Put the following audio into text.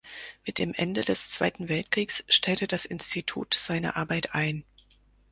Mit dem Ende des Zweiten Weltkriegs stellte das Institut seine Arbeit ein.